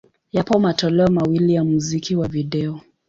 Yapo matoleo mawili ya muziki wa video.